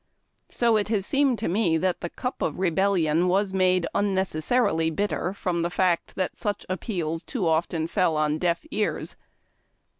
So it has seemed to me that the cup of Rebellion was made unnecessarily bitter from the fact that such appeals too often fell on deaf ears.